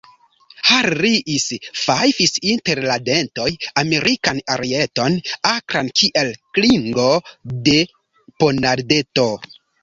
Harris fajfis inter la dentoj Amerikan arieton, akran kiel klingo de ponardeto.